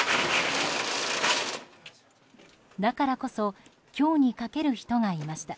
だからこそ今日にかける人がいました。